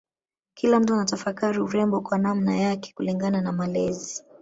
Kila mtu anatafakari urembo kwa namna yake kulingana na malezi